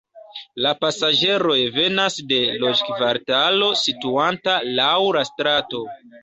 La pasaĝeroj venas de loĝkvartalo situanta laŭ la strato.